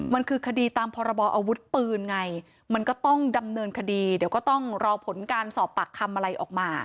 มันคือคดีตามพรบออาวุธปืนไงมันก็ต้องดำเนินคดีเดี๋ยวก็ต้องรอผลการสอบปากคำอะไรออกมา